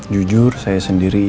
jujur saya sendiri